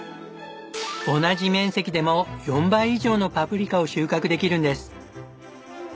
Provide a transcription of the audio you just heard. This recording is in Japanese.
同じ面積でも４倍以上のパプリカを収穫できるんです。